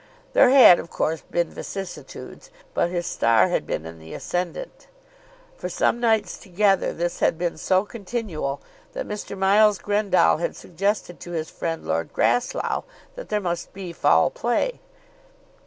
There had of course been vicissitudes, but his star had been in the ascendant. For some nights together this had been so continual that Mr. Miles Grendall had suggested to his friend Lord Grasslough that there must be foul play.